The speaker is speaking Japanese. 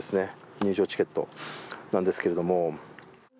入場チケットなんですてけれども。